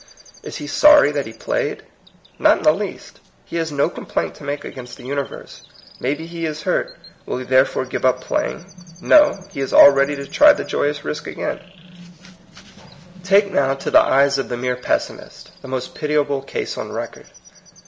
Is he sorry that he played? Not in the least. He has no complaint to make against the universe. Maybe he is hurt; will he therefore give up playing? No; he is all ready to try the joyous risks ag^in. 102 THE COMING PEOPLE. Take now, to the eyes of the mere pes simist, the most pitiable case on record.